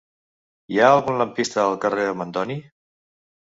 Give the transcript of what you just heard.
Hi ha algun lampista al carrer de Mandoni?